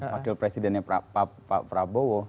wakil presidennya pak prabowo